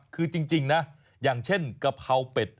คือจริงนะอย่างเช่นกะเพราเป็ด